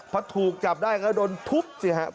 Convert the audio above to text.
พอถูกจับได้ก็โดนทุบสิครับ